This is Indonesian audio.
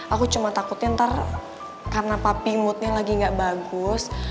aku cuma takutnya ntar karena papping moodnya lagi gak bagus